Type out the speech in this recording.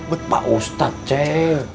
bet pak ustadz ceng